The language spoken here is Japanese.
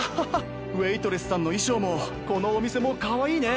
ウエートレスさんの衣装もこのお店もかわいいね！